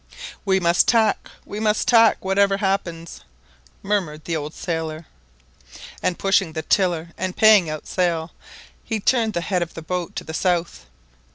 "We must tack, we must tack, whatever happens !" murmured the old sailor. And pushing the tiller and paying out sail, he turned the head of the boat to the south.